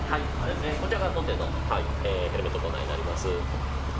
こちらが当店のヘルメットコーナーになります。